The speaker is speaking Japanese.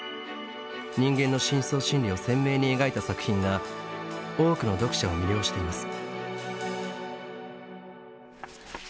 人間の深層心理を鮮明に描いた作品が多くの読者を魅了しています。